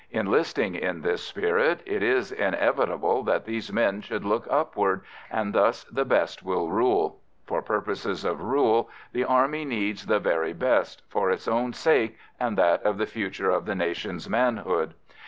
Enlisting in this spirit, it is inevitable that these men should look upward, and thus the best will rule. For purposes of rule the Army needs the very best, for its own sake and that of the future of the nation's manhood.